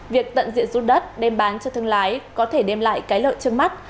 việc tận diệt xuân đất đem bán cho thương lái có thể đem lại cái lợi chân mắt